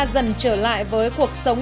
dần trở lại với cuộc sống